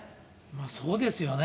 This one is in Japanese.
そうですよね。